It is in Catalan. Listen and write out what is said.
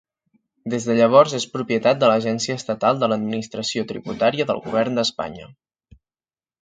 Des de llavors és propietat de l'Agència Estatal de l'Administració Tributària del Govern d'Espanya.